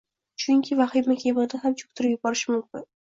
chunki vahima kemani ham cho‘ktirib yuborishi mumkin.